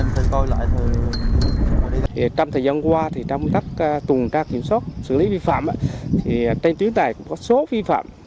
trong thời gian qua trong công tác tuần tra kiểm soát xử lý vi phạm trên tuyến tài cũng có số vi phạm